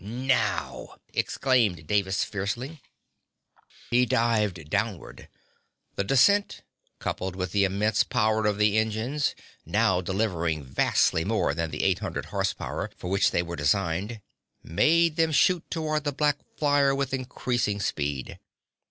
"Now!" exclaimed Davis fiercely. He dived downward. The descent, coupled with the immense power of the engines now delivering vastly more than the eight hundred horse power for which they were designed made them shoot toward the black flyer with increasing speed.